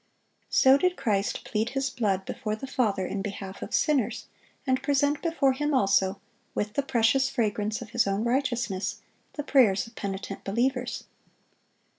So did Christ plead His blood before the Father in behalf of sinners, and present before Him also, with the precious fragrance of His own righteousness, the prayers of penitent believers.